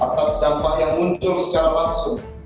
atas dampak yang muncul secara langsung